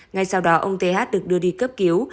ngay sau đó ông thế hát được đưa đi cấp cứu